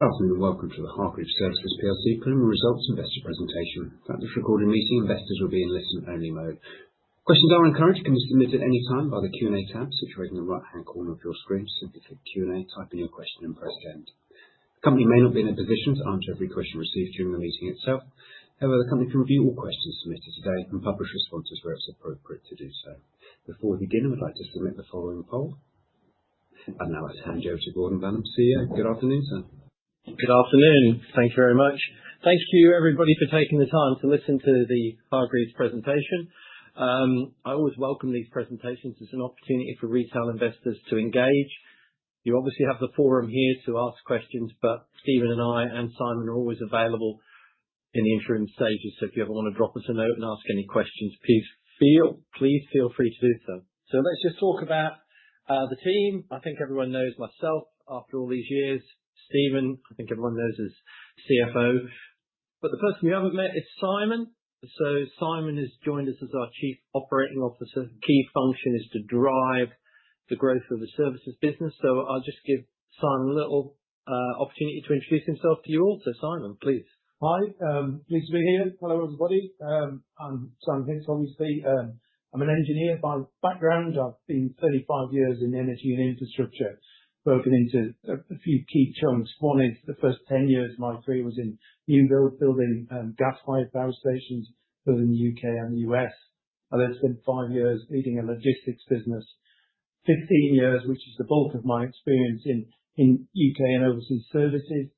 Hello and welcome to the Hargreaves Services PLC preliminary results investor presentation. As this is a recorded meeting, investors will be in listen-only mode. Questions are encouraged; they can be submitted anytime by the Q&A tab situated in the right-hand corner of your screen. Simply click Q&A, type in your question, and press send. The company may not be in a position to answer every question received during the meeting itself; however, the company can review all questions submitted today and publish responses where it's appropriate to do so. Before we begin, I would like to launch the following poll, and now I'll hand you over to Gordon Banham, CEO. Good afternoon, sir. Good afternoon. Thank you very much. Thank you, everybody, for taking the time to listen to the Hargreaves presentation. I always welcome these presentations as an opportunity for retail investors to engage. You obviously have the forum here to ask questions, but Stephen and I and Simon are always available in the interim stages, so if you ever want to drop us a note and ask any questions, please feel free to do so. So let's just talk about the team. I think everyone knows myself after all these years. Stephen, I think everyone knows, is CFO. But the person we haven't met is Simon. So Simon has joined us as our Chief Operating Officer. Key function is to drive the growth of the services business. So I'll just give Simon a little opportunity to introduce himself to you all. So, Simon, please. Hi. Pleased to be here. Hello, everybody. I'm Simon Hicks, obviously. I'm an engineer by background. I've been 35 years in energy and infrastructure, broken into a few key chunks. One is the first 10 years of my career was in new build, building, gas-fired power stations both in the U.K. and the U.S. I then spent five years leading a logistics business, 15 years, which is the bulk of my experience in U.K. and overseas services,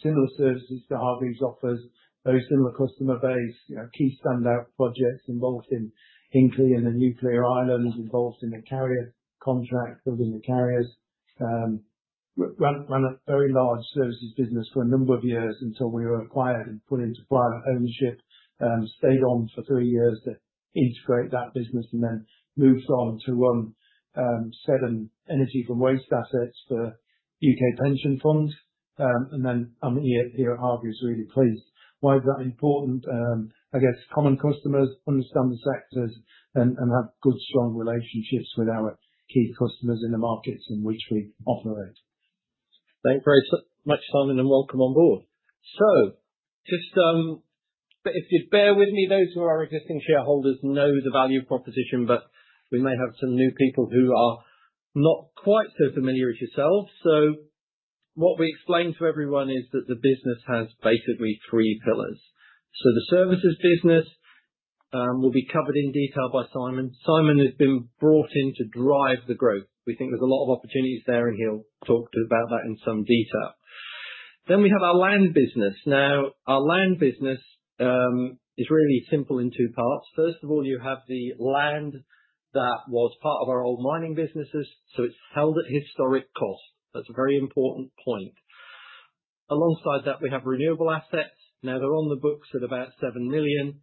similar services to Hargreaves offers, very similar customer base, you know, key standout projects involved in Hinkley and the Nuclear Islands, involved in the carrier contract, building the carriers. Ran a very large services business for a number of years until we were acquired and put into private ownership, stayed on for three years to integrate that business, and then moved on to run seven Energy from Waste Assets for U.K. Pension Fund. And then I'm here here at Hargreaves, really pleased. Why is that important? I guess common customers understand the sectors and have good, strong relationships with our key customers in the markets in which we operate. Thanks very much, Simon, and welcome on board. So just, if you'd bear with me, those who are existing shareholders know the value proposition, but we may have some new people who are not quite so familiar as yourselves. So what we explain to everyone is that the business has basically three pillars. So the services business will be covered in detail by Simon. Simon has been brought in to drive the growth. We think there's a lot of opportunities there, and he'll talk about that in some detail. Then we have our land business. Now, our land business is really simple in two parts. First of all, you have the land that was part of our old mining businesses, so it's held at historic cost. That's a very important point. Alongside that, we have renewable assets. Now, they're on the books at about 7 million.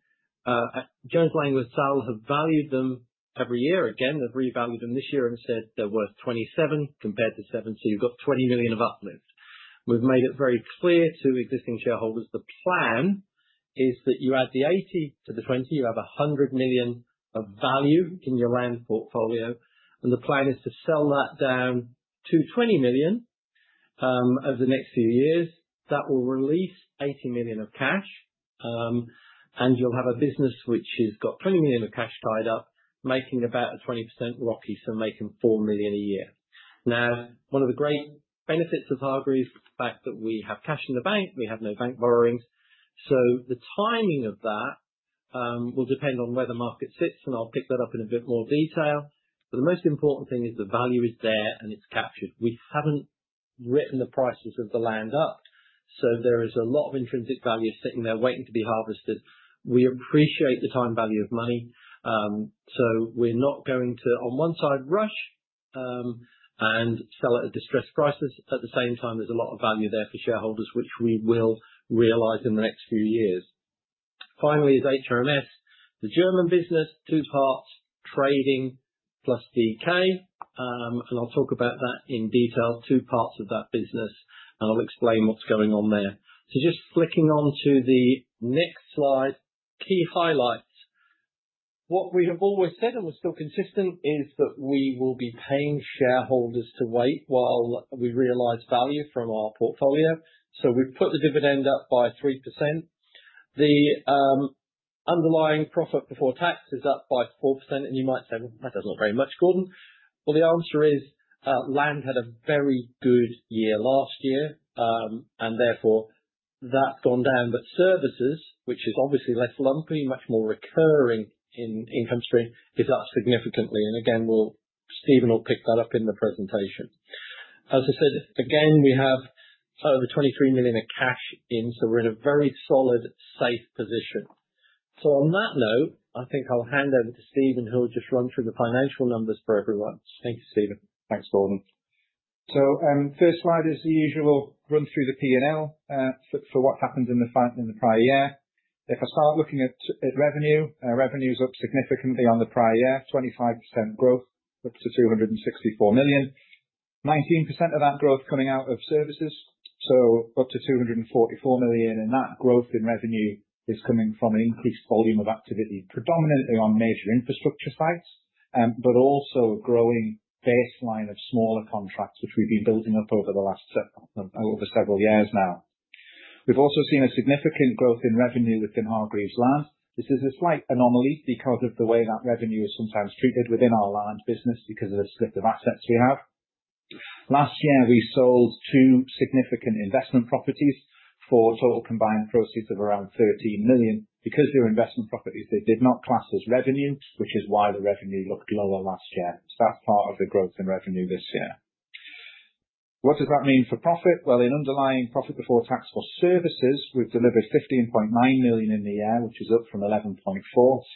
Jones Lang LaSalle have valued them every year. Again, they've revalued them this year and said they're worth 27 compared to 7. So you've got 20 million of uplift. We've made it very clear to existing shareholders. The plan is that you add the 80 to the 20. You have 100 million of value in your land portfolio, and the plan is to sell that down to 20 million, over the next few years. That will release 80 million of cash, and you'll have a business which has got 20 million of cash tied up, making about a 20% ROCE, so making 4 million a year. Now, one of the great benefits of Hargreaves is the fact that we have cash in the bank. We have no bank borrowings. So the timing of that will depend on where the market sits, and I'll pick that up in a bit more detail. But the most important thing is the value is there, and it's captured. We haven't written the prices of the land up, so there is a lot of intrinsic value sitting there waiting to be harvested. We appreciate the time value of money, so we're not going to, on one side, rush, and sell at a distressed price. At the same time, there's a lot of value there for shareholders, which we will realize in the next few years. Finally is HRMS, the German business, two parts, trading plus DK. And I'll talk about that in detail, two parts of that business, and I'll explain what's going on there. So just flicking on to the next slide, key highlights. What we have always said, and we're still consistent, is that we will be paying shareholders to wait while we realize value from our portfolio. So we've put the dividend up by 3%. The underlying profit before tax is up by 4%. And you might say, "Well, that doesn't look very much, Gordon." Well, the answer is, land had a very good year last year, and therefore that's gone down. But services, which is obviously less lumpy, much more recurring in income stream, is up significantly. And again, we'll Stephen will pick that up in the presentation. As I said, again, we have over 23 million of cash in, so we're in a very solid, safe position. So on that note, I think I'll hand over to Stephen, who'll just run through the financial numbers for everyone. Thank you, Stephen. Thanks, Gordon. So, first slide is the usual run through the P&L, for what happened in the FY in the prior year. If I start looking at revenue, revenue's up significantly on the prior year, 25% growth, up to 264 million, 19% of that growth coming out of services, so up to 244 million. And that growth in revenue is coming from an increased volume of activity, predominantly on major infrastructure sites, but also a growing baseline of smaller contracts, which we've been building up over the last several years now. We've also seen a significant growth in revenue within Hargreaves Land. This is a slight anomaly because of the way that revenue is sometimes treated within our land business because of the split of assets we have. Last year, we sold two significant investment properties for total combined proceeds of around 13 million. Because they're investment properties, they did not count as revenue, which is why the revenue looked lower last year. So that's part of the growth in revenue this year. What does that mean for profit? Well, in underlying profit before tax for services, we've delivered 15.9 million in the year, which is up from 11.4 million.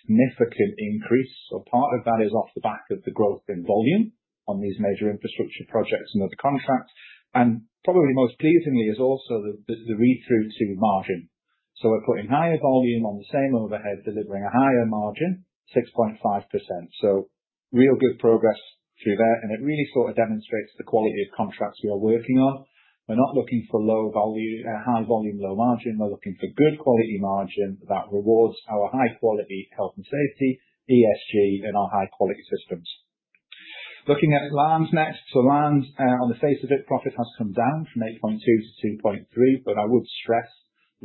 Significant increase. So part of that is off the back of the growth in volume on these major infrastructure projects and other contracts. And probably most pleasingly is also the read-through to margin. So we're putting higher volume on the same overhead, delivering a higher margin, 6.5%. So real good progress through there. And it really sort of demonstrates the quality of contracts we are working on. We're not looking for low volume, high volume, low margin. We're looking for good quality margin that rewards our high-quality health and safety, ESG, and our high-quality systems. Looking at lands next. So lands, on the face of it, profit has come down from 8.2 million to 2.3 million. But I would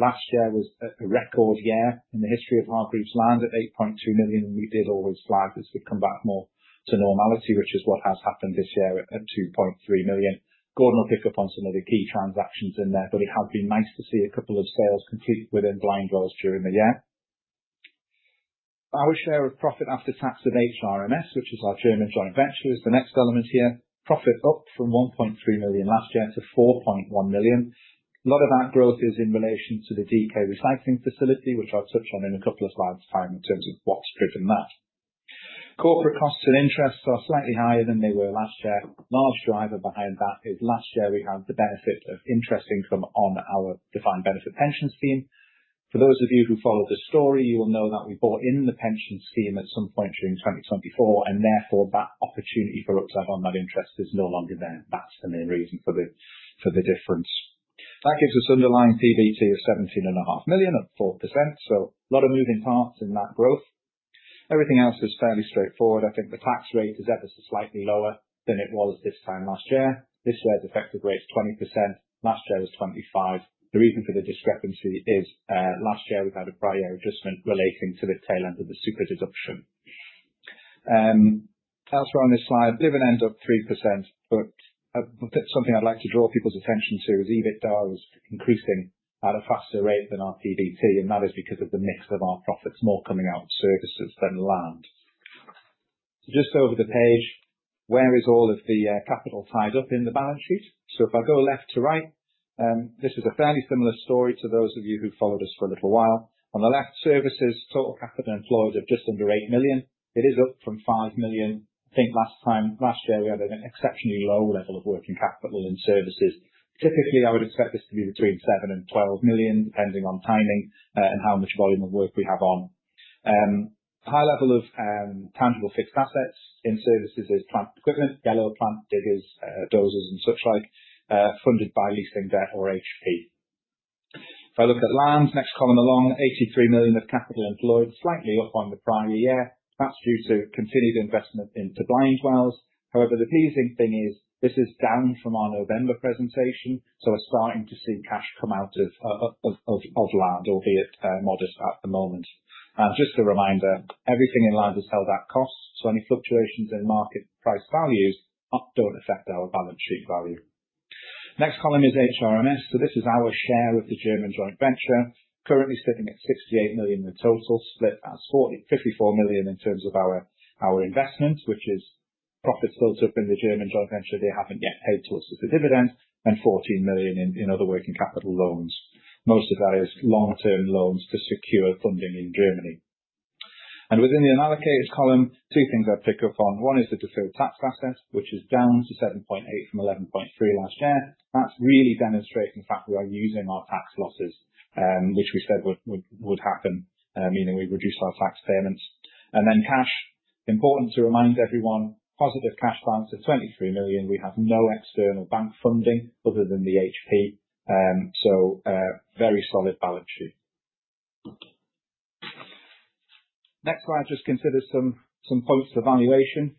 stress last year was a record year in the history of Hargreaves Land at 8.2 million, and we did always flag this would come back more to normality, which is what has happened this year at 2.3 million. Gordon will pick up on some of the key transactions in there, but it has been nice to see a couple of sales complete within Blindwells during the year. Our share of profit after tax of HRMS, which is our German joint venture, is the next element here. Profit up from 1.3 million last year to 4.1 million. A lot of that growth is in relation to the DK recycling facility, which I'll touch on in a couple of slides' time in terms of what's driven that. Corporate costs and interests are slightly higher than they were last year. Large driver behind that is last year we had the benefit of interest income on our defined benefit pension scheme. For those of you who follow the story, you will know that we bought in the pension scheme at some point during 2024, and therefore that opportunity for upside on that interest is no longer there. That's the main reason for the difference. That gives us underlying PBT of 17.5 million, up 4%. So a lot of moving parts in that growth. Everything else is fairly straightforward. I think the tax rate is ever so slightly lower than it was this time last year. This year's effective rate's 20%. Last year was 25%. The reason for the discrepancy is, last year we've had a prior adjustment relating to the tail end of the super-deduction. Elsewhere on this slide, land end up 3%. But but something I'd like to draw people's attention to is EBITDA is increasing at a faster rate than our PBT, and that is because of the mix of our profits, more coming out of services than land. So just over the page, where is all of the capital tied up in the balance sheet? So if I go left to right, this is a fairly similar story to those of you who followed us for a little while. On the left, services, total capital employed of just under 8 million. It is up from 5 million. I think last time last year we had an exceptionally low level of working capital in services. Typically, I would expect this to be between 7 million-12 million, depending on timing, and how much volume of work we have on. High level of tangible fixed assets in services is plant equipment, yellow plant, diggers, dozers, and such like, funded by leasing debt or HP. If I look at lands, next column along, 83 million of capital employed, slightly up on the prior year. That's due to continued investment into Blindwells. However, the pleasing thing is this is down from our November presentation, so we're starting to see cash come out of land, albeit modest at the moment. Just a reminder, everything in land is held at cost, so any fluctuations in market price values don't affect our balance sheet value. Next column is HRMS. So this is our share of the German joint venture, currently sitting at 68 million in total, split as 45.4 million in terms of our investment, which is profits built up in the German joint venture. They haven't yet paid to us as a dividend, and 14 million in other working capital loans. Most of that is long-term loans to secure funding in Germany. And within the allocators column, two things I'd pick up on. One is the deferred tax asset, which is down to 7.8 from 11.3 last year. That's really demonstrating the fact we are using our tax losses, which we said would happen, meaning we reduce our tax payments. And then cash, important to remind everyone, positive cash balance of 23 million. We have no external bank funding other than the HP, so very solid balance sheet. Next slide. Just consider some points of valuation.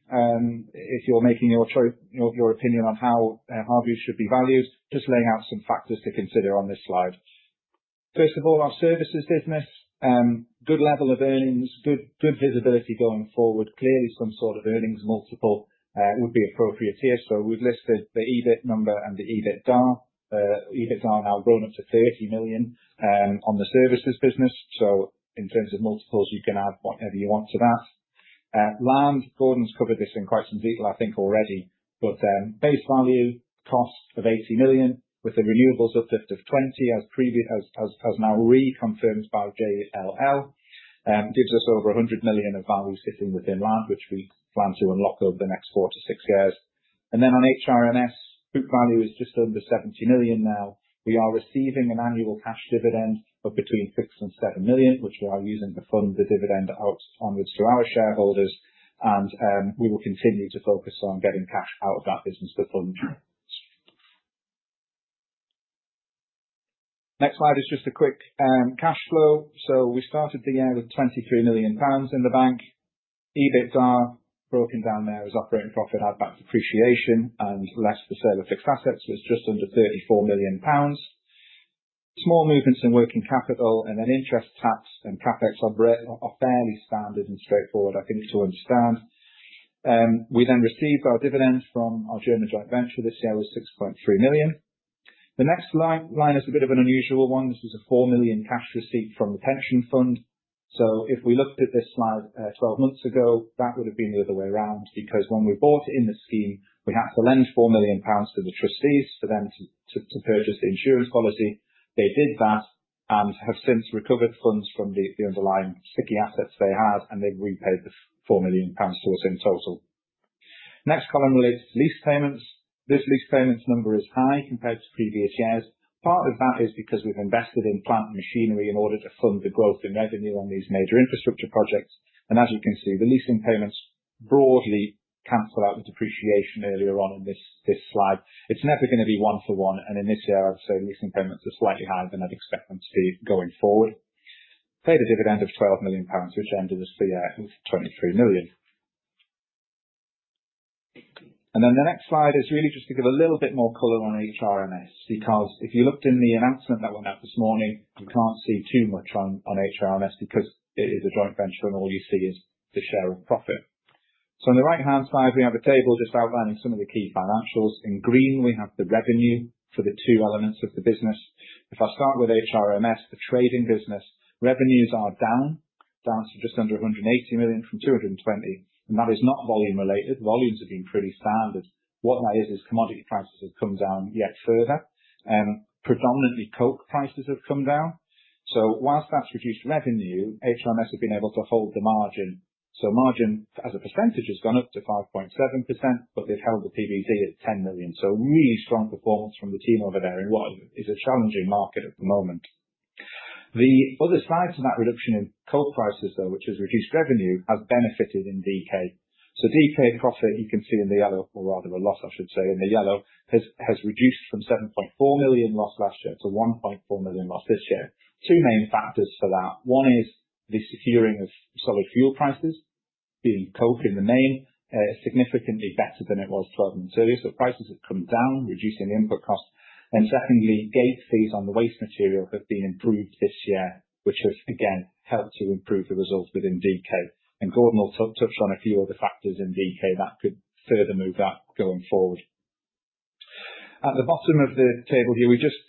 If you're making your choice, your opinion on how Hargreaves should be valued, just laying out some factors to consider on this slide. First of all, our services business, good level of earnings, good visibility going forward, clearly some sort of earnings multiple would be appropriate here. So we've listed the EBIT number and the EBITDA. EBITDA are now grown up to 30 million on the services business. So in terms of multiples, you can add whatever you want to that. land, Gordon's covered this in quite some detail, I think, already. But base value cost of 80 million with the renewables uplift of 20 million, as previously now reconfirmed by JLL, gives us over 100 million of value sitting within land, which we plan to unlock over the next 4-6 years. Then on HRMS, book value is just under 70 million now. We are receiving an annual cash dividend of between 6 million and 7 million, which we are using to fund the dividend out onwards to our shareholders. We will continue to focus on getting cash out of that business to fund. Next slide is just a quick cash flow. So we started the year with 23 million pounds in the bank. EBITDA broken down there is operating profit add back depreciation, and less from sale of fixed assets. So it's just under 34 million pounds. Small movements in working capital, and then interest, tax, and CapEx are fairly standard and straightforward, I think, to understand. We then received our dividend from our German joint venture this year was 6.3 million. The next line is a bit of an unusual one. This is a 4 million cash receipt from the pension fund. So if we looked at this slide, 12 months ago, that would have been the other way around, because when we bought it in the scheme, we had to lend 4 million pounds to the trustees for them to purchase the insurance policy. They did that and have since recovered funds from the underlying sticky assets they had, and they've repaid the 4 million pounds to us in total. Next column relates to lease payments. This lease payments number is high compared to previous years. Part of that is because we've invested in plant and machinery in order to fund the growth in revenue on these major infrastructure projects. And as you can see, the leasing payments broadly cancel out the depreciation earlier on in this slide. It's never gonna be one for one. In this year, I would say leasing payments are slightly higher than I'd expect them to be going forward. Paid a dividend of 12 million pounds, which ended the year with 23 million. Then the next slide is really just to give a little bit more color on HRMS, because if you looked in the announcement that went out this morning, you can't see too much on HRMS, because it is a joint venture, and all you see is the share of profit. So on the right-hand side, we have a table just outlining some of the key financials. In green, we have the revenue for the two elements of the business. If I start with HRMS, the trading business, revenues are down to just under 180 million from 220 million. And that is not volume related. Volumes have been pretty standard. What that is, is commodity prices have come down yet further. Predominantly coke prices have come down. So whilst that's reduced revenue, HRMS have been able to hold the margin. So margin as a percentage has gone up to 5.7%, but they've held the PBT at 10 million. So really strong performance from the team over there in what is a challenging market at the moment. The other side to that reduction in coke prices, though, which has reduced revenue, has benefited in DK. So DK profit, you can see in the yellow, or rather a loss, I should say, in the yellow, has reduced from 7.4 million loss last year to 1.4 million loss this year. Two main factors for that. One is the securing of solid fuel prices, being coke in the main, significantly better than it was 12 months earlier. So prices have come down, reducing the input cost. And secondly, gate fees on the waste material have been improved this year, which have, again, helped to improve the results within DK. And Gordon will touch on a few other factors in DK that could further move that going forward. At the bottom of the table here, we're just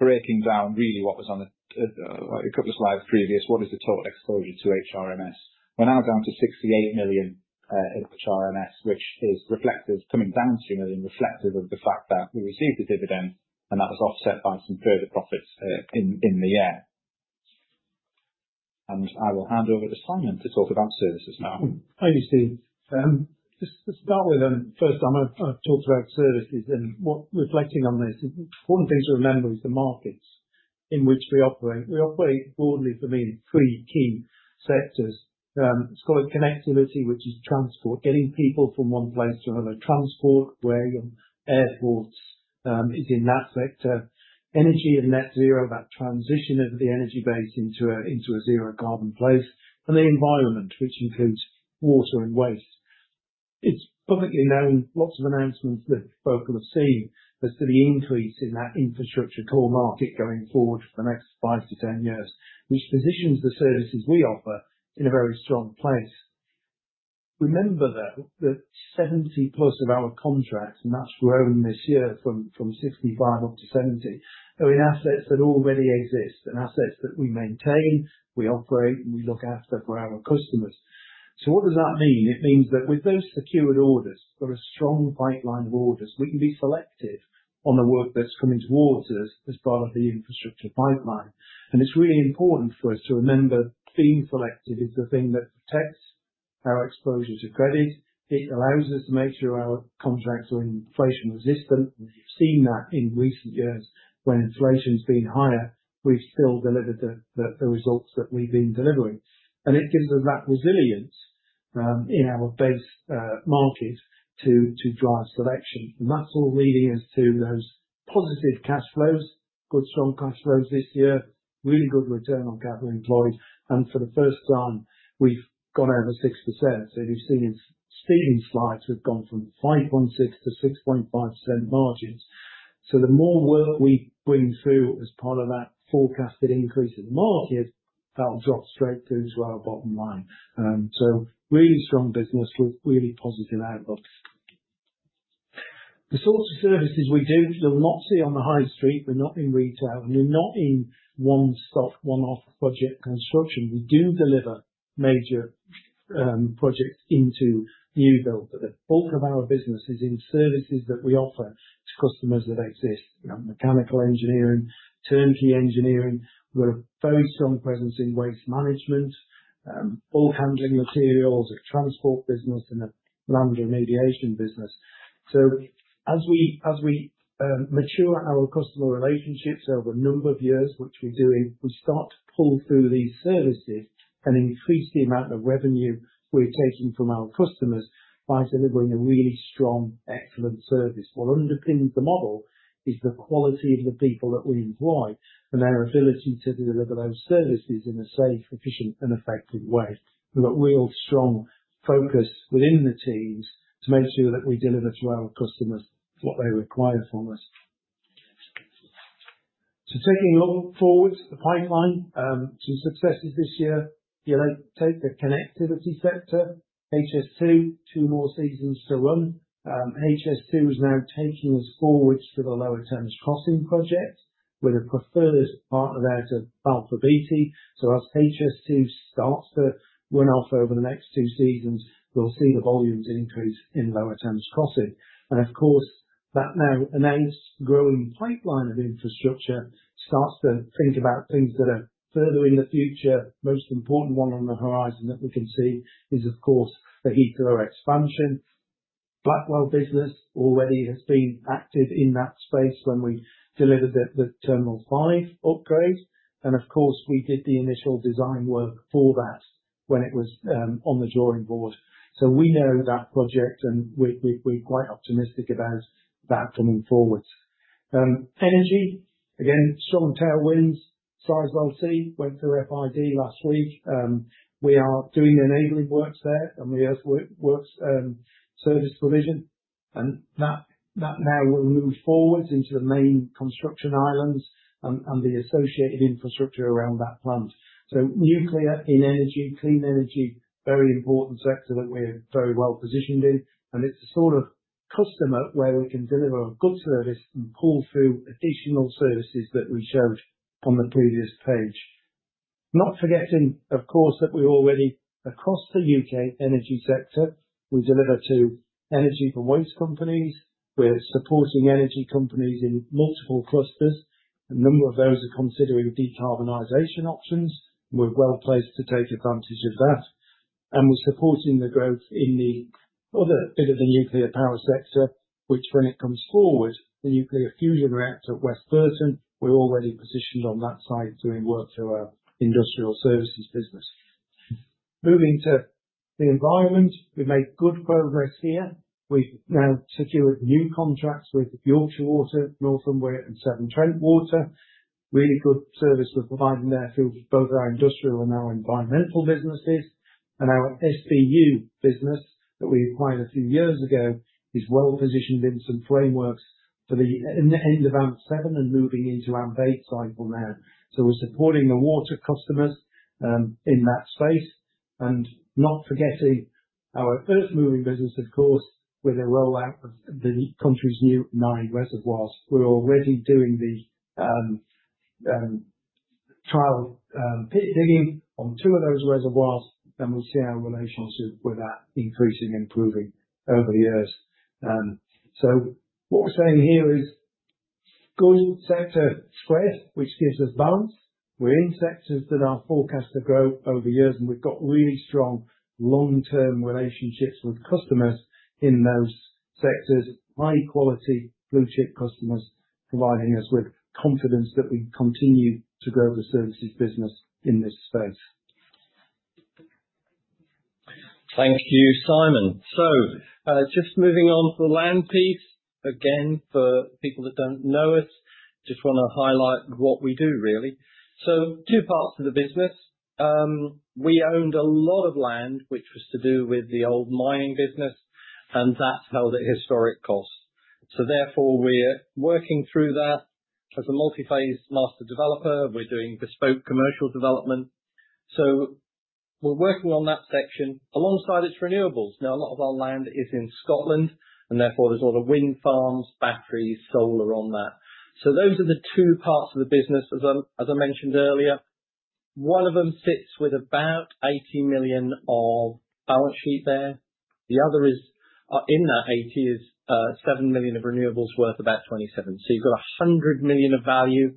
breaking down really what was on the like a couple of slides previous. What is the total exposure to HRMS? We're now down to 68 million in HRMS, which is reflective coming down 3 million, reflective of the fact that we received a dividend, and that was offset by some further profits in the year. And I will hand over to Simon to talk about services now. Thanks, Steve. Just to start with, first, I'm gonna talk about services. And, reflecting on this, the important thing to remember is the markets in which we operate. We operate broadly, for me, in 3 key sectors. It's called connectivity, which is transport, getting people from one place to another, transport, rail, airports, is in that sector, energy and net zero, that transition of the energy base into a zero carbon place, and the environment, which includes water and waste. It's publicly known. Lots of announcements that folk will have seen as to the increase in that infrastructure core market going forward for the next 5-10 years, which positions the services we offer in a very strong place. Remember, though, that 70+ of our contracts, and that's grown this year from 65 up to 70, are in assets that already exist and assets that we maintain. We operate, and we look after for our customers. So what does that mean? It means that with those secured orders, for a strong pipeline of orders, we can be selective on the work that's coming towards us as part of the infrastructure pipeline. And it's really important for us to remember being selective is the thing that protects our exposure to credit. It allows us to make sure our contracts are inflation resistant. And we've seen that in recent years. When inflation's been higher, we've still delivered the results that we've been delivering. And it gives us that resilience, in our base market to drive selection. And that's all leading us to those positive cash flows, good, strong cash flows this year, really good return on capital employed. And for the first time, we've gone over 6%. So if you've seen in Stephen's slides, we've gone from 5.6%-6.5% margins. So the more work we bring through as part of that forecasted increase in the market, that'll drop straight through to our bottom line. So really strong business with really positive outlooks. The sorts of services we do, you'll not see on the high street. We're not in retail, and we're not in one stop, one off project construction. We do deliver major, projects into new build. But the bulk of our business is in services that we offer to customers that exist, you know, mechanical engineering, turnkey engineering. We've got a very strong presence in waste management, bulk handling materials, a transport business, and a land remediation business. So as we mature our customer relationships over a number of years, which we do, we start to pull through these services and increase the amount of revenue we're taking from our customers by delivering a really strong, excellent service. What underpins the model is the quality of the people that we employ and their ability to deliver those services in a safe, efficient, and effective way. We've got real strong focus within the teams to make sure that we deliver to our customers what they require from us. So taking a look forward to the pipeline, some successes this year. You'll take the connectivity sector, HS2, two more seasons to run. HS2 is now taking us forward to the Lower Thames Crossing project with a preferred partner there to Balfour Beatty. So as HS2 starts to run off over the next two seasons, we'll see the volumes increase in Lower Thames Crossing. And, of course, that now announced growing pipeline of infrastructure starts to think about things that are further in the future. Most important one on the horizon that we can see is, of course, the Heathrow expansion. Blackwell business already has been active in that space when we delivered the Terminal 5 upgrade. And, of course, we did the initial design work for that when it was on the drawing board. So we know that project, and we're quite optimistic about that coming forward. Energy, again, strong tailwinds. Sizewell C went through FID last week. We are doing the enabling works there, and we have works, service provision. That now will move forward into the main construction islands and the associated infrastructure around that plant. So nuclear in energy, clean energy, very important sector that we're very well positioned in. And it's a sort of customer where we can deliver a good service and pull through additional services that we showed on the previous page. Not forgetting, of course, that we already, across the U.K. energy sector, we deliver to energy for waste companies. We're supporting energy companies in multiple clusters. A number of those are considering decarbonization options. We're well placed to take advantage of that. And we're supporting the growth in the other bit of the nuclear power sector, which, when it comes forward, the nuclear fusion reactor at West Burton, we're already positioned on that site doing work through our industrial services business. Moving to the environment, we've made good progress here. We've now secured new contracts with Yorkshire Water, Northumbrian Water, and Severn Trent Water. Really good service we're providing there through both our industrial and our environmental businesses. And our SBU business that we acquired a few years ago is well positioned in some frameworks for the end of AMP 7 and moving into AMP 8 cycle now. So we're supporting the water customers, in that space. And not forgetting our earthmoving business, of course, with a rollout of the country's new nine reservoirs. We're already doing the trial pit digging on two of those reservoirs, and we'll see our relationship with that increasing and improving over the years. So what we're saying here is good sector spread, which gives us balance. We're in sectors that are forecast to grow over years, and we've got really strong long-term relationships with customers in those sectors, high-quality, blue-chip customers, providing us with confidence that we continue to grow the services business in this space. Thank you, Simon. So, just moving on to the land piece again for people that don't know us. Just want to highlight what we do, really. So two parts to the business. We owned a lot of land, which was to do with the old mining business. And that held at historic cost. So, therefore, we're working through that as a multi-phase master developer. We're doing bespoke commercial development. So we're working on that section alongside its renewables. Now, a lot of our land is in Scotland, and, therefore, there's a lot of wind farms, batteries, solar on that. So those are the two parts of the business, as I mentioned earlier. One of them sits with about 80 million of balance sheet there. The other is, in that 80, 7 million of renewables worth about 27 million. So you've got 100 million of value.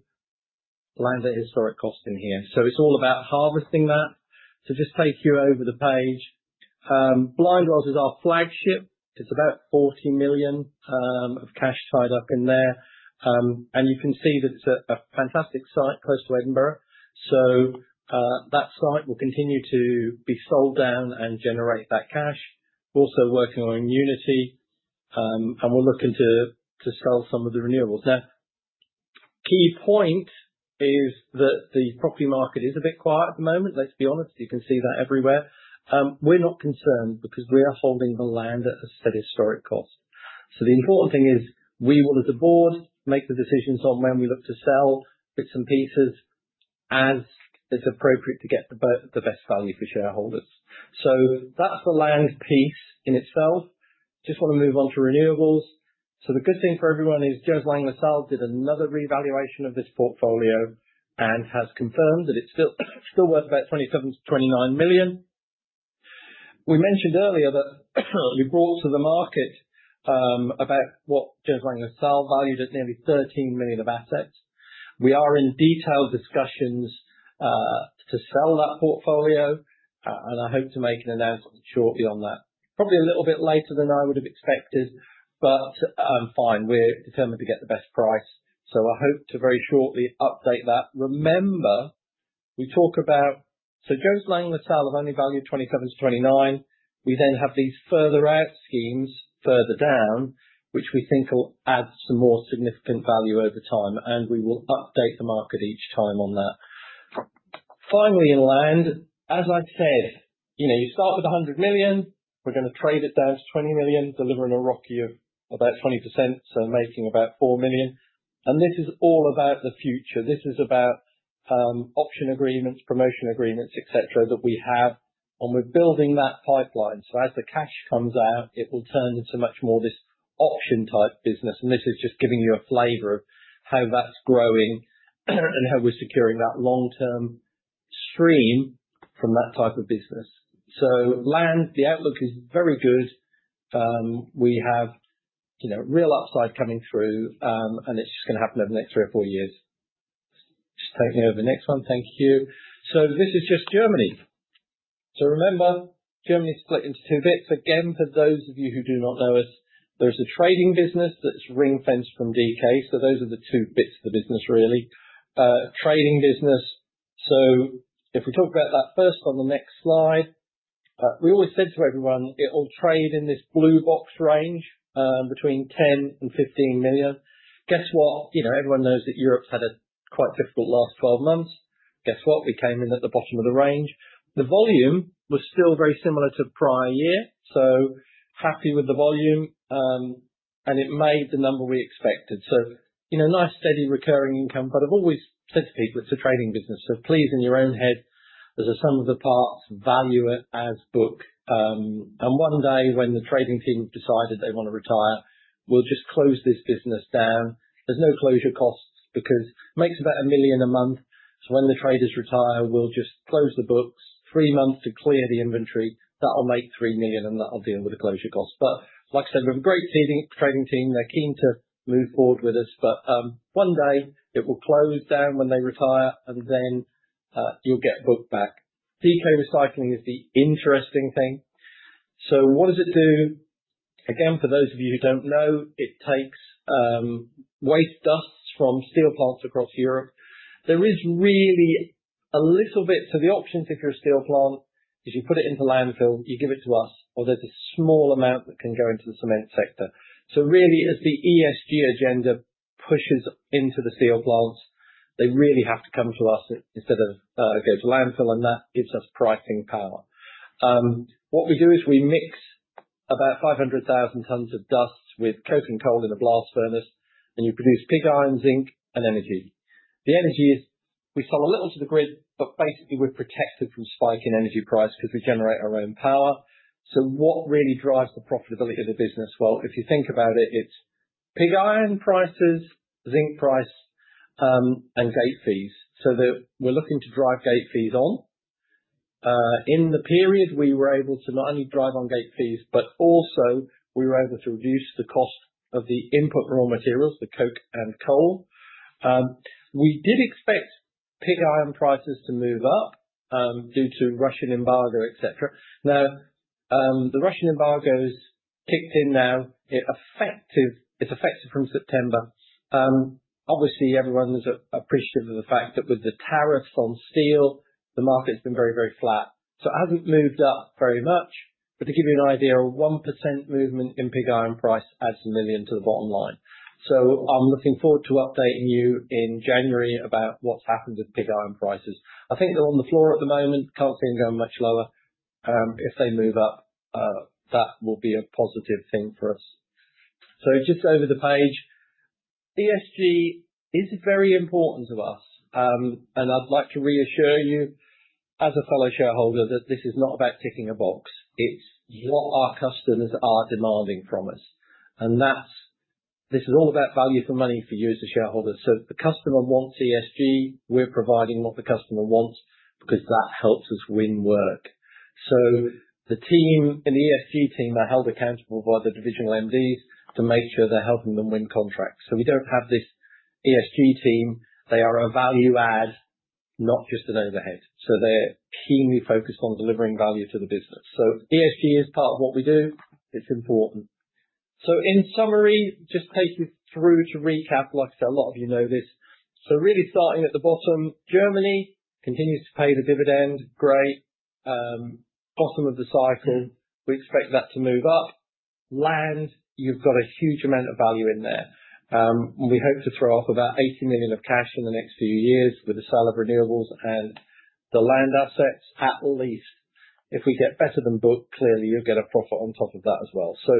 land at historic cost in here. So it's all about harvesting that. To just take you over the page. Blindwells is our flagship. It's about 40 million of cash tied up in there, and you can see that it's a fantastic site close to Edinburgh. So, that site will continue to be sold down and generate that cash. We're also working on Unity, and we're looking to sell some of the renewables. Now, key point is that the property market is a bit quiet at the moment. Let's be honest. You can see that everywhere. We're not concerned because we are holding the land at a set historic cost. So the important thing is, we will, as a board, make the decisions on when we look to sell bits and pieces as it's appropriate to get the the best value for shareholders. So that's the land piece in itself. Just want to move on to renewables. So the good thing for everyone is, Jones Lang LaSalle did another revaluation of this portfolio and has confirmed that it's still still worth about 27 million-29 million. We mentioned earlier that we brought to the market, about what Jones Lang LaSalle valued at nearly 13 million of assets. We are in detailed discussions, to sell that portfolio. I hope to make an announcement shortly on that, probably a little bit later than I would have expected. But, fine, we're determined to get the best price. So I hope to very shortly update that. Remember, we talk about. So Jones Lang LaSalle have only valued 27 million-29 million. We then have these further out schemes further down, which we think will add some more significant value over time, and we will update the market each time on that. Finally, in land, as I said. You know, you start with a 100 million. We're gonna trade it down to 20 million, delivering a ROCE of about 20%, so making about 4 million. And this is all about the future. This is about option agreements, promotion agreements, etc., that we have. And we're building that pipeline. So as the cash comes out, it will turn into much more this option type business. And this is just giving you a flavor of how that's growing and how we're securing that long-term stream from that type of business. So land, the outlook is very good. We have. You know, real upside coming through, and it's just gonna happen over the next three or four years. Just take me over to the next one. Thank you. So this is just Germany. So remember, Germany's split into two bits. Again, for those of you who do not know us, there's a trading business that's ring fenced from DK. So those are the two bits of the business, really. Trading business. So if we talk about that first on the next slide. We always said to everyone it'll trade in this blue box range, between 10 million and 15 million. Guess what? You know, everyone knows that Europe's had a quite difficult last 12 months. Guess what? We came in at the bottom of the range. The volume was still very similar to prior year. So happy with the volume. It made the number we expected. So, you know, nice, steady, recurring income. But I've always said to people, it's a trading business. So please, in your own head, as a sum of the parts, value it as book. One day, when the trading team decided they want to retire, we'll just close this business down. There's no closure costs because it makes about 1 million a month. So when the traders retire, we'll just close the books three months to clear the inventory. That'll make 3 million, and that'll deal with the closure costs. But, like I said, we have a great leading trading team. They're keen to move forward with us. But, one day it will close down when they retire, and then, you'll get booked back. DK Recycling is the interesting thing. So what does it do? Again, for those of you who don't know, it takes waste dusts from steel plants across Europe. There is really a little bit. So, the options, if you're a steel plant, is you put it into landfill, you give it to us, or there's a small amount that can go into the cement sector. So really, as the ESG agenda pushes into the steel plants, they really have to come to us instead of going to landfill, and that gives us pricing power. What we do is we mix about 500,000 tons of dust with coke and coal in a blast furnace, and you produce pig iron, zinc, and energy. The energy is we sell a little to the grid, but basically, we're protected from spiking energy price because we generate our own power. So, what really drives the profitability of the business? Well, if you think about it, it's pig iron prices, zinc price, and gate fees, so that we're looking to drive gate fees on. In the period, we were able to not only drive on gate fees, but also we were able to reduce the cost of the input raw materials, the coke and coal. We did expect pig iron prices to move up, due to Russian embargo, etc. Now, the Russian embargos kicked in now. It's effective from September. Obviously, everyone is appreciative of the fact that with the tariffs on steel, the market's been very, very flat. So, it hasn't moved up very much. But to give you an idea, a 1% movement in pig iron price adds 1 million to the bottom line. So, I'm looking forward to updating you in January about what's happened with pig iron prices. I think they're on the floor at the moment. Can't see them going much lower. If they move up, that will be a positive thing for us. So just over the page. ESG is very important to us. I'd like to reassure you, as a fellow shareholder, that this is not about ticking a box. It's what our customers are demanding from us. And that's. This is all about value for money for you as a shareholder. So, the customer wants ESG. We're providing what the customer wants because that helps us win work. So the team in the ESG team, they're held accountable by the divisional MDs to make sure they're helping them win contracts. So we don't have this ESG team. They are a value add. Not just an overhead. So they're keenly focused on delivering value to the business. So ESG is part of what we do. It's important. So, in summary, just take you through to recap. Like I said, a lot of you know this. So really, starting at the bottom, Germany continues to pay the dividend. Great. Bottom of the cycle. We expect that to move up. land, you've got a huge amount of value in there. We hope to throw off about 80 million of cash in the next few years with the sale of renewables and the land assets. At least, if we get better than book, clearly, you'll get a profit on top of that as well. So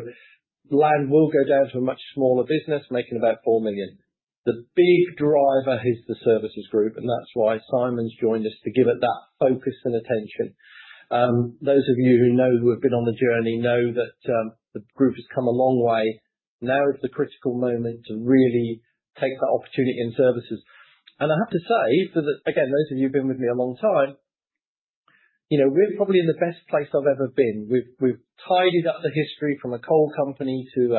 land will go down to a much smaller business, making about 4 million. The big driver is the services group, and that's why Simon's joined us to give it that focus and attention. Those of you who know who have been on the journey know that, the group has come a long way. Now is the critical moment to really take that opportunity in services. And I have to say for the, again, those of you who've been with me a long time. You know, we're probably in the best place I've ever been. We've tidied up the history from a coal company to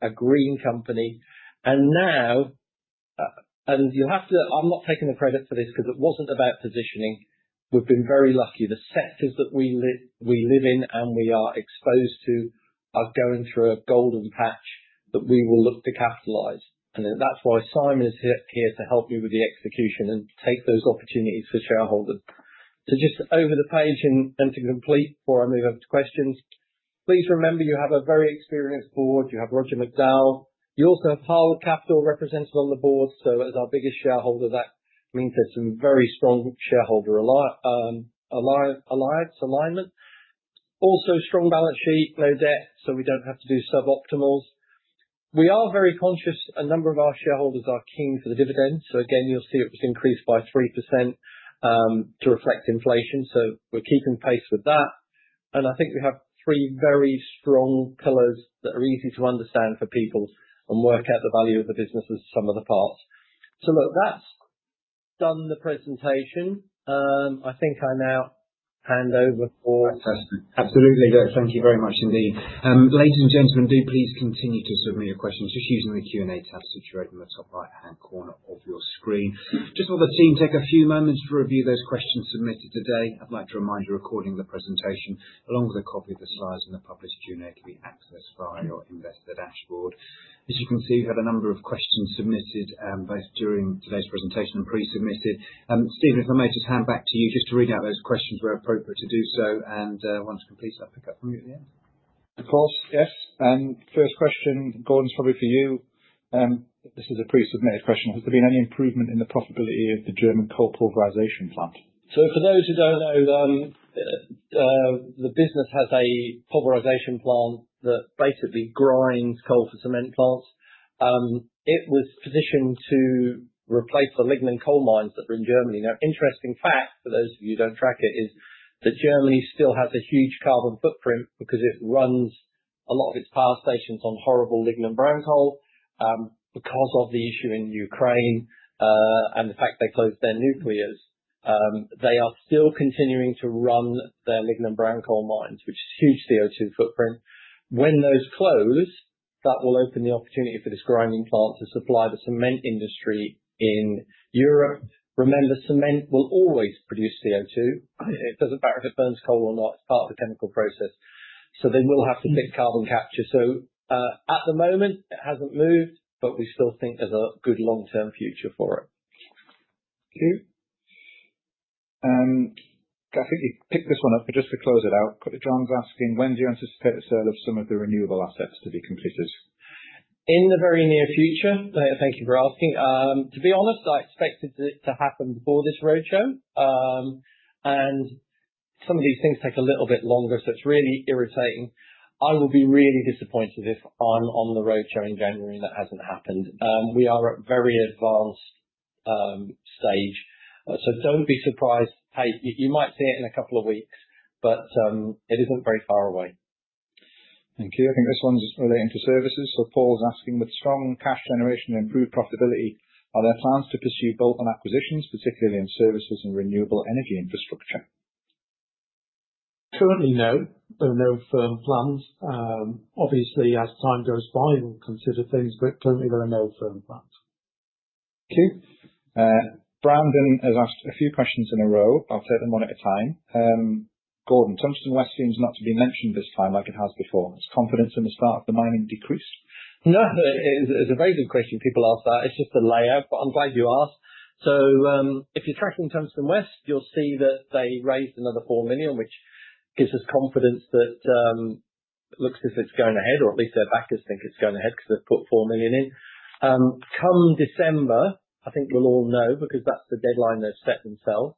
a green company. And now. And you'll have to. I'm not taking the credit for this because it wasn't about positioning. We've been very lucky. The sectors that we live in, and we are exposed to are going through a golden patch that we will look to capitalize. And that's why Simon is here to help me with the execution and take those opportunities for shareholders. So just over the page and to complete before I move over to questions. Please remember, you have a very experienced board. You have Roger McDowell. You also have Harwood Capital represented on the board. So, as our biggest shareholder, that means there's some very strong shareholder alliance alignment. Also, strong balance sheet, no debt, so we don't have to do suboptimals. We are very conscious. A number of our shareholders are keen for the dividend. So again, you'll see it was increased by 3%, to reflect inflation. So we're keeping pace with that. And I think we have three very strong pillars that are easy to understand for people and work out the value of the business as some of the parts. So look, that's done the presentation. I think I now hand over for. Fantastic. Absolutely, Great. Thank you very much, indeed. Ladies and gentlemen, do please continue to submit your questions just using the Q&A tab situated in the top right-hand corner of your screen. Just want the team to take a few moments to review those questions submitted today. I'd like to remind you we're recording the presentation along with a copy of the slides and the published Q&A can be accessed via your investor dashboard. As you can see, we've had a number of questions submitted, both during today's presentation and pre-submitted. Stephen, if I may just hand back to you just to read out those questions where appropriate to do so. Once complete, I'll pick up from you at the end. Of course. Yes. And first question, Gordon, it's probably for you. This is a pre-submitted question. Has there been any improvement in the profitability of the German coal pulverization plant? So for those who don't know, the business has a pulverization plant that basically grinds coal for cement plants. It was positioned to replace the lignite coal mines that were in Germany. Now, interesting fact, for those of you who don't track it, is that Germany still has a huge carbon footprint because it runs a lot of its power stations on horrible lignite brown coal. Because of the issue in Ukraine, and the fact they closed their nuclears, they are still continuing to run their lignite brown coal mines, which is a huge CO2 footprint. When those close, that will open the opportunity for this grinding plant to supply the cement industry in Europe. Remember, cement will always produce CO2. It doesn't matter if it burns coal or not. It's part of the chemical process. So they will have to fix carbon capture. So, at the moment, it hasn't moved, but we still think there's a good long-term future for it. Thank you. I think you picked this one up, but just to close it out, Q from John asking, when do you anticipate the sale of some of the renewable assets to be completed? In the very near future. Thank you for asking. To be honest, I expected it to happen before this roadshow. And some of these things take a little bit longer, so it's really irritating. I will be really disappointed if I'm on the roadshow in January and that hasn't happened. We are at very advanced stage. So don't be surprised. Hey, you might see it in a couple of weeks, but it isn't very far away. Thank you. I think this one's relating to services. So Paul's asking, with strong cash generation and improved profitability, are there plans to pursue M&A, particularly in services and renewable energy infrastructure? Currently, no. There are no firm plans. Obviously, as time goes by, we'll consider things, but currently, there are no firm plans. Thank you. Brandon has asked a few questions in a row. I'll take them one at a time. Gordon, Tungsten West seems not to be mentioned this time like it has before. Has confidence in the start of the mining decreased? No, it's a very good question. People ask that. It's just the layout, but I'm glad you asked. So, if you're tracking Tungsten West, you'll see that they raised another 4 million, which gives us confidence that, it looks as if it's going ahead, or at least their backers think it's going ahead because they've put 4 million in. Come December, I think we'll all know because that's the deadline they've set themselves.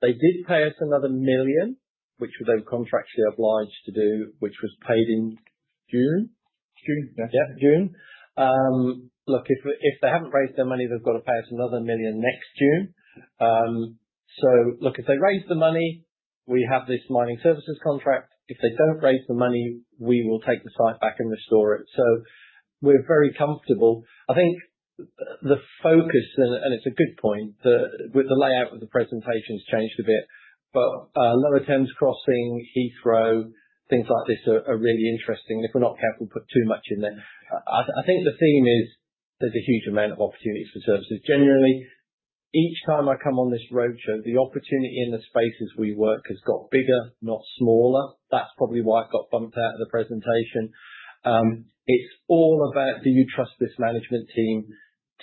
They did pay us another 1 million, which they were contractually obliged to do, which was paid in June. Look, if if they haven't raised their money, they've got to pay us another 1 million next June. So look, if they raise the money, we have this mining services contract. If they don't raise the money, we will take the site back and restore it. So we're very comfortable. I think the focus, and it's a good point, that with the layout of the presentation's changed a bit. But, Lower Thames Crossing, Heathrow, things like this are really interesting. And if we're not careful, put too much in there. I think the theme is there's a huge amount of opportunities for services. Generally. Each time I come on this roadshow, the opportunity in the spaces we work has got bigger, not smaller. That's probably why it got bumped out of the presentation. It's all about, do you trust this management team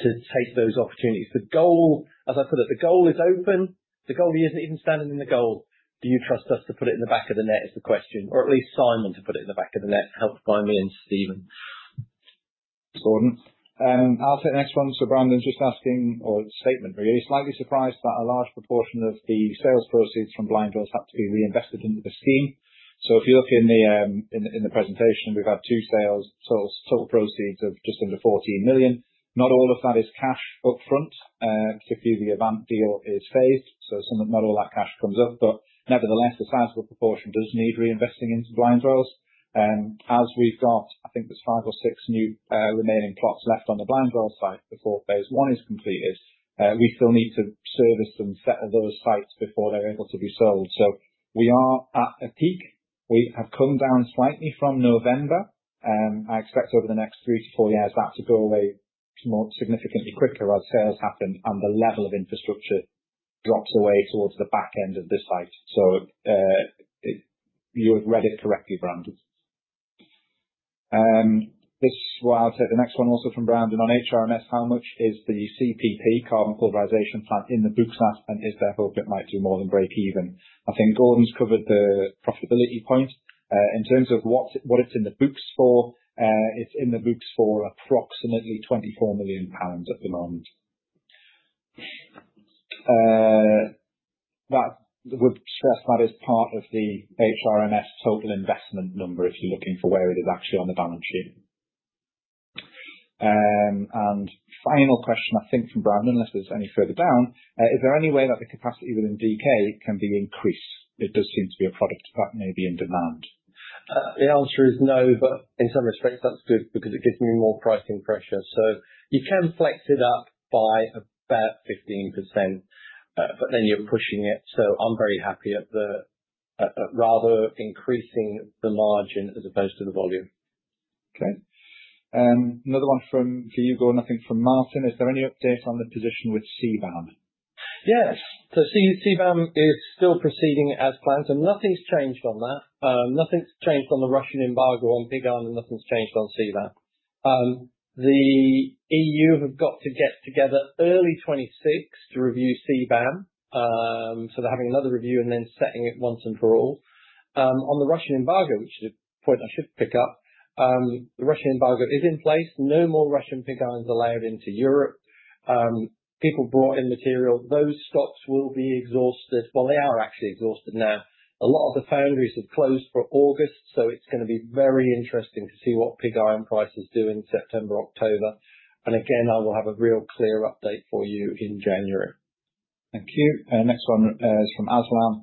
to take those opportunities? The goal, as I put it, the goal is open. The goal isn't even standing in the goal. Do you trust us to put it in the back of the net is the question, or at least Simon to put it in the back of the net, helped by me and Stephen. Gordon. I'll take the next one. So Brandon's just asking, or statement, are you slightly surprised that a large proportion of the sales proceeds from Blindwells have to be reinvested into the scheme? So if you look in the presentation, we've had two sales total total proceeds of just under 14 million. Not all of that is cash upfront, particularly the Avant deal is phased. So some of not all that cash comes up, but nevertheless, a sizable proportion does need reinvesting into Blindwells. As we've got, I think there's five or six new, remaining plots left on the Blindwells site before phase one is completed. We still need to service and settle those sites before they're able to be sold. So we are at a peak. We have come down slightly from November. I expect over the next 3-4 years, that to go away significantly quicker as sales happen and the level of infrastructure drops away towards the back end of the site. So, it you have read it correctly, Brandon. This while I'll take the next one also from Brandon on HRMS. How much is the CPP carbon pulverization plant in the books at, and is there hope it might do more than break even? I think Gordon's covered the profitability point. In terms of what it's in the books for, it's in the books for approximately 24 million pounds at the moment. That would stress that is part of the HRMS total investment number if you're looking for where it is actually on the balance sheet. And final question, I think, from Brandon, unless there's any further down. Is there any way that the capacity within DK can be increased? It does seem to be a product that may be in demand. The answer is no, but in some respects, that's good because it gives me more pricing pressure. So you can flex it up by about 15%. But then you're pushing it. So I'm very happy at the, rather increasing the margin as opposed to the volume. Okay. Another one for you, Gordon. I think from Martin, is there any update on the position with CBAM? Yes. So CBAM is still proceeding as planned, so nothing's changed on that. Nothing's changed on the Russian embargo on pig iron, and nothing's changed on CBAM. The EU have got to get together early 2026 to review CBAM. So they're having another review and then setting it once and for all. On the Russian embargo, which is a point I should pick up. The Russian embargo is in place. No more Russian pig irons are layered into Europe. People brought in material. Those stocks will be exhausted, well, they are actually exhausted now. A lot of the foundries have closed for August, so it's going to be very interesting to see what pig iron price is doing September, October. And again, I will have a real clear update for you in January. Thank you. Next one is from Aslan.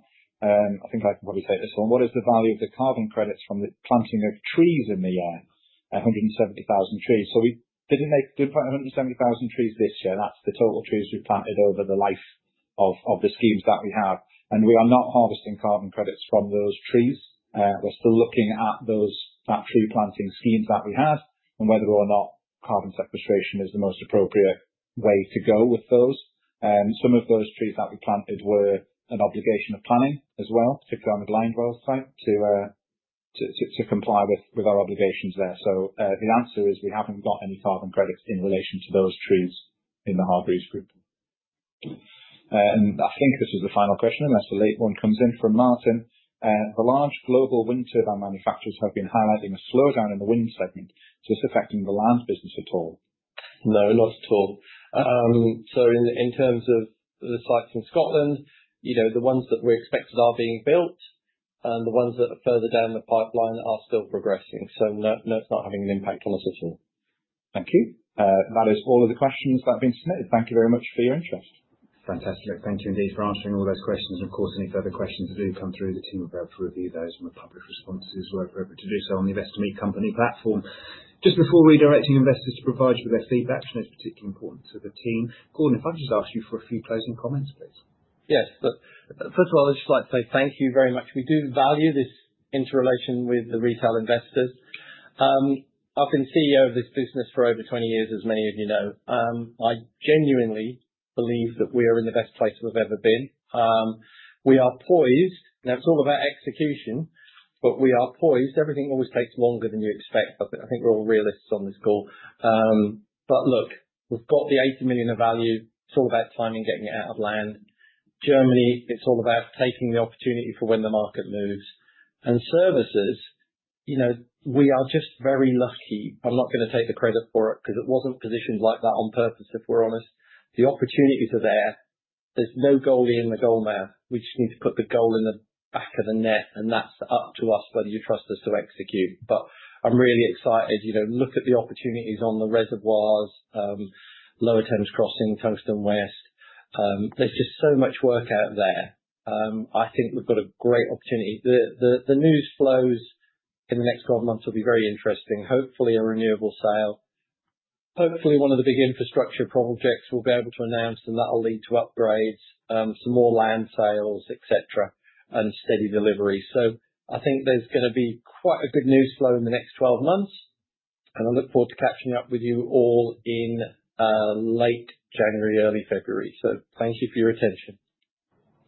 I think I can probably take this one. What is the value of the carbon credits from the planting of trees in the year? 170,000 trees. So we didn't plant 170,000 trees this year. That's the total trees we've planted over the life of the schemes that we have. And we are not harvesting carbon credits from those trees. We're still looking at those tree planting schemes that we had and whether or not carbon sequestration is the most appropriate way to go with those. Some of those trees that we planted were an obligation of planning as well, particularly on the Blindwells site to comply with our obligations there. So, the answer is we haven't got any carbon credits in relation to those trees in the Hargreaves Group. And I think this was the final question, unless a late one comes in from Martin. The large global wind turbine manufacturers have been highlighting a slowdown in the wind segment. Is this affecting the land business at all? No, not at all. So in terms of the sites in Scotland, you know, the ones that we expected are being built. And the ones that are further down the pipeline are still progressing. So no, no, it's not having an impact on us at all. Thank you. That is all of the questions that have been submitted. Thank you very much for your interest. Fantastic. Thank you, indeed, for answering all those questions. And of course, any further questions that do come through, the team will be able to review those. And we're public responses as well if we're able to do so on the Investor Meet Company platform. Just before redirecting investors to provide you with their feedback, you know, it's particularly important to the team. Gordon, if I could just ask you for a few closing comments, please. Yes. Look, first of all, I'd just like to say thank you very much. We do value this interrelation with the retail investors. I've been CEO of this business for over 20 years, as many of you know. I genuinely believe that we are in the best place we've ever been. We are poised. Now, it's all about execution. But we are poised. Everything always takes longer than you expect. I think we're all realists on this call. But look, we've got 80 million of value. It's all about timing getting it out of land. Germany, it's all about taking the opportunity for when the market moves. And services. You know, we are just very lucky. I'm not going to take the credit for it because it wasn't positioned like that on purpose, if we're honest. The opportunities are there. There's no goalie in the goal man. We just need to put the goal in the back of the net, and that's up to us whether you trust us to execute. But I'm really excited. You know, look at the opportunities on the reservoirs. Lower Thames Crossing, Tungsten West. There's just so much work out there. I think we've got a great opportunity. The news flow in the next 12 months will be very interesting. Hopefully, a renewable sale. Hopefully, one of the big infrastructure projects will be able to announce, and that'll lead to upgrades. Some more land sales, etc. And steady delivery. So I think there's going to be quite a good news flow in the next 12 months. And I look forward to catching up with you all in late January, early February. So thank you for your attention.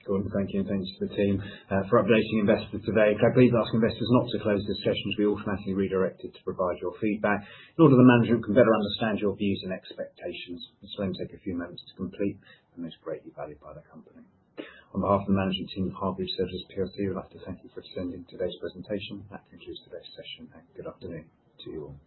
Gordon, thank you. And thanks to the team for updating investors today. Please ask investors not to close discussions. We automatically redirected to provide your feedback in order the management can better understand your views and expectations. This will only take a few moments to complete and is greatly valued by the company. On behalf of the management team of Hargreaves Services PLC, we'd like to thank you for attending today's presentation. That concludes today's session. Good afternoon to you all.